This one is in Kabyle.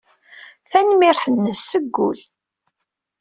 Tanemmirt-nnes seg wul.